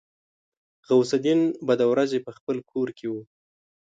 غوث الدين به د ورځې په خپل کور کې و.